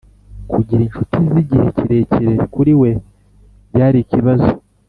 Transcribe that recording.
kugira inshuti z’igihe kirekire kuri we, byari ikibazo “